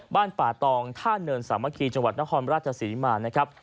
บ้านป่าตองท่าเนินสามัคคีจังหวัดนครราชศรีมานะครับ